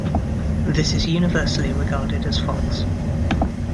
This is universally regarded as false.